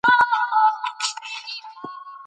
پر هغه د درې جرمونو تور ولګېد.